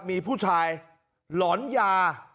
มีผู้ชายหลอนยา